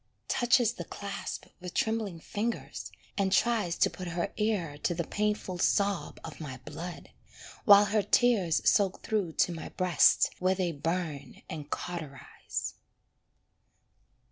Touches the clasp with trembling fingers, and tries To put her ear to the painful sob of my blood, While her tears soak through to my breast, Where they burn and cauterise.